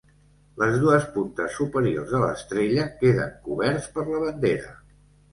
Les dues puntes superiors de l'estrella queden coberts per la bandera.